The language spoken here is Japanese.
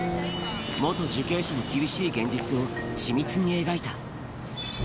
元受刑者の厳しい現実を緻密に描いた。